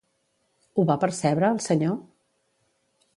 Ho va percebre, el senyor?